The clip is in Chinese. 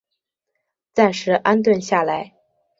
暂时安顿下来